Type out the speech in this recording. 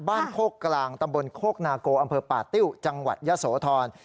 โคกกลางตำบลโคกนาโกอำเภอป่าติ้วจังหวัดยะโสธร